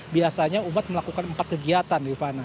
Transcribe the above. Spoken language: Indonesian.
biasanya umat melakukan empat kegiatan rifana